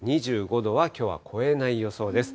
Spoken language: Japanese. ２５度はきょうは超えない予想です。